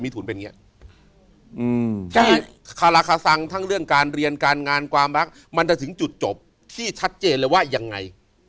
ที่คาราคาซังทั้งเรื่องการเรียนการงานความรักมันจะถึงจุดจบที่ชัดเจนเลยว่ายังไง